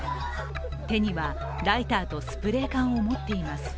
手にはライターとスプレー缶を持っています。